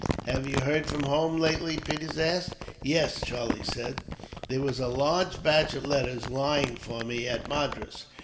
"Have you heard from home lately?" Peters asked. "Yes," Charlie said. "There was a large batch of letters lying for me, at Madras.